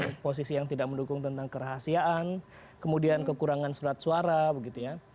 ada posisi yang tidak mendukung tentang kerahasiaan kemudian kekurangan surat suara begitu ya